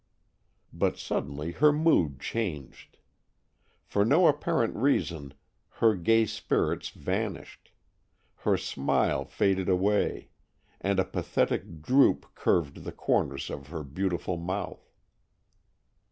But suddenly her mood changed. For no apparent reason her gay spirits vanished, her smile faded away, and a pathetic droop curved the corners of her beautiful mouth.